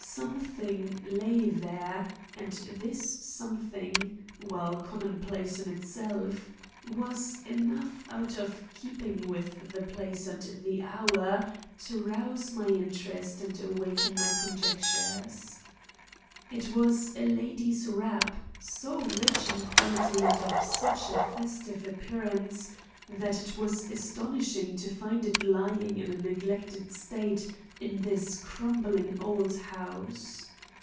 Something lay there, and this something, while commonplace in itself, was enough out of keeping with the place and hour to rouse my interest and awaken my conjectures. It was a lady's wrap so rich in quality and of such a festive appearance that it was astonishing to find it lying in a neglected state in this crumbling old house.